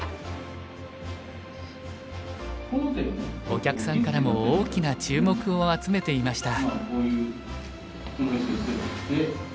お客さんからも大きな注目を集めていました。